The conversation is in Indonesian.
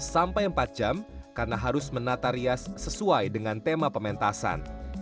sampai empat jam karena harus menata rias sesuai dengan tema pementasan